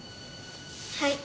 はい。